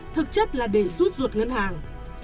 thực chất là để rút ruột ngân hàng